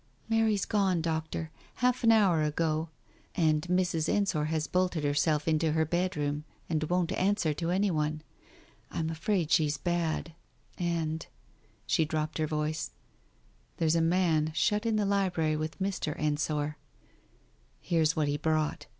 "Mary's gone, Doctor. Half an hour ago. And Mrs. Ensor has bolted herself into her bedroom, and won't answer to any one. I'm afraid she's bad. And "— she dropped her voice — "there's a man shut in the library with Mr. Ensor. Here's what he brought.